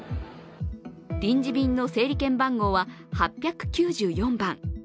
臨時便の整理券番号は８９４番。